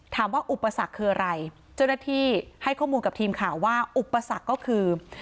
อุปสรรคคืออะไรเจ้าหน้าที่ให้ข้อมูลกับทีมข่าวว่าอุปสรรคก็คือ